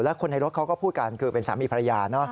แล้วคนในรถเขาก็พูดกันคือเป็นสามีภรรยา